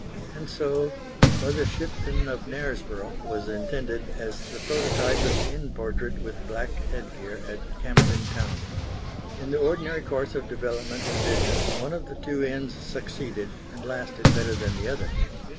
And so Mother Shipton of Knaresborough was intended as the prototype of the inn portrait with black headgear at Camden Town. In the ordinary course of development and business one of the two inns succeeded and lasted better than the other.